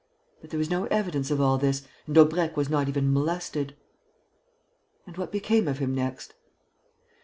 But there was no evidence of all this; and Daubrecq was not even molested." "And what became of him next?"